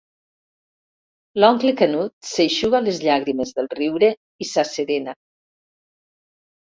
L'oncle Canut s'eixuga les llàgrimes del riure i s'asserena.